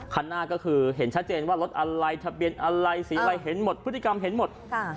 คันหน้าก็คือเห็นชัดเจนว่ารถอะไรทะเบียนอะไรสีอะไรเห็นหมดพฤติกรรมเห็นหมด